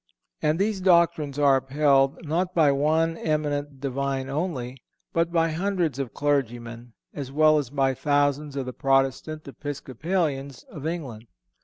And these doctrines are upheld, not by one eminent Divine only, but by hundreds of clergymen, as well as by thousands of the Protestant Episcopalians of England.